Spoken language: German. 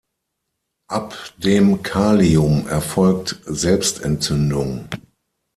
Ab dem Kalium erfolgt Selbstentzündung.